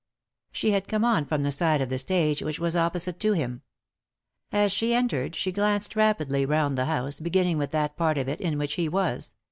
She had come on from the side of the stage which was opposite to him. As she entered she glanced rapidly round the house, beginning with that part of it in which he was.